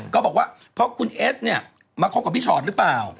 ก็บอกว่าเพราะคุณเอสเนี่ยมาคบกับพี่ชอตหรือเปล่า